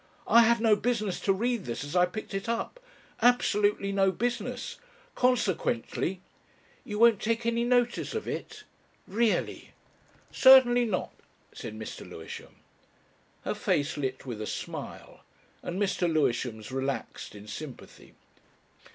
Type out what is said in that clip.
"I had no business to read this as I picked it up absolutely no business. Consequently...." "You won't take any notice of it? Really!" "Certainly not," said Mr. Lewisham. Her face lit with a smile, and Mr. Lewisham's relaxed in sympathy.